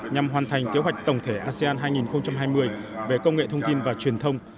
nhằm hoàn thành kế hoạch tổng thể asean hai nghìn hai mươi về công nghệ thông tin và truyền thông